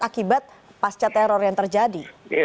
akibat pasca teror yang terjadi